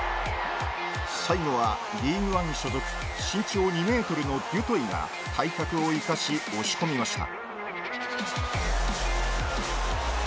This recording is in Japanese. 最後はリーグワン所属身長２ｍのデュトイが体格を生かし押し込みました